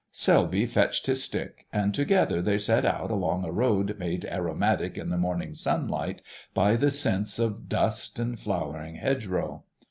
Selby fetched his stick, and together they set out along a road made aromatic in the morning sunlight by the scents of dust and flowering hedgerow.